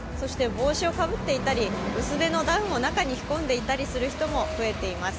帽子をかぶっていたり、薄手のダウンを中に着込んでいたりする人も増えています。